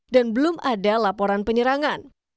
dan belum ada laporan penyerangan